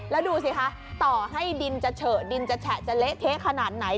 แล้วดูสิคะต่อให้ดินจะเฉอะดินจะแฉะจะเละเทะขนาดไหน